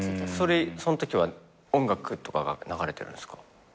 そんときは音楽とかが流れてるんですか？